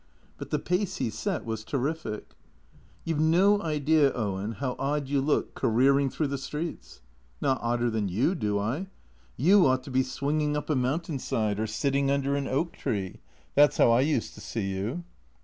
But the pace he set was terrific. " You 've no idea, Owen, how odd you look careering through the streets." " Not odder than you, do I ? You ought to be swinging up a mountain side, or sitting under an oak tree. That 's how I used to see you."